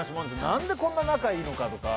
何で、こんな仲いいのかとか。